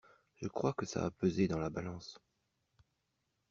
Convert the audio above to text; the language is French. je crois que ça a pesé dans la balance.